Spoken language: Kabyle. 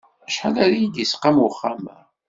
Acḥal ara yi-d-isqam uxxam-a?